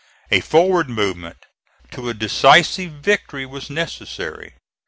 A forward movement to a decisive victory was necessary.